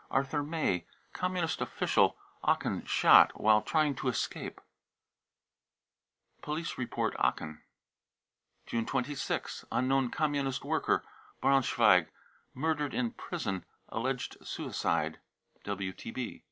Arthur may, Communist official, Aachen, shot " while trying to escape." (Police report, Aachen.) ne 26th. unknown communist worker, Braunschweig, mur | dered in prison, alleged suicide, (WTB.)